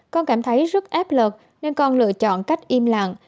con cảm thấy rất áp lực nên con lựa chọn cách im lặng